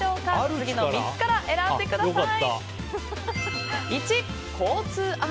次の３つから選んでください。